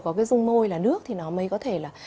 có cái dung môi là nước thì nó mới có thể là